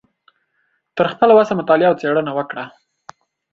تر خپله وسه مطالعه او څیړنه وکړه